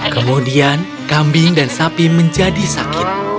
kemudian kambing dan sapi menjadi sakit